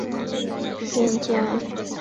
李可灼发戍边疆。